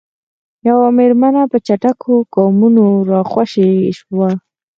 یوه میرمن په چټکو ګامونو راخوشې وه.